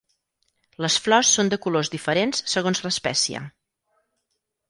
Les flors són de colors diferents segons l'espècie.